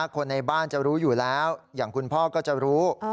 คนในบ้านจะรู้อยู่แล้วอย่างคุณพ่อก็จะรู้